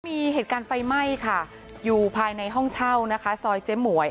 มีเหตุการณ์ไฟไหม้ค่ะอยู่ภายในห้องเชี่ยวมงบสอยเจมป์หวย